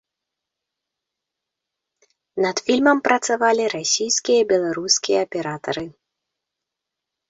Над фільмам працавалі расійскія і беларускія аператары.